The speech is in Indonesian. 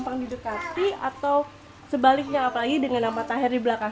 mbak grace ini sosok yang gampang didekati atau sebaliknya apalagi dengan nama tahir di belakang